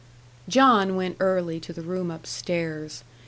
John went early to the room up stairs.